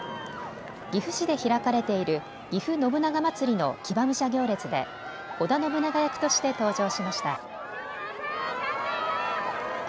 岐阜市で開かれているぎふ信長まつりの騎馬武者行列で織田信長役として登場しました。